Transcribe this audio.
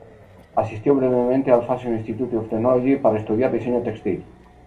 Asistió brevemente al Fashion Institute of Technology para estudiar diseño textil.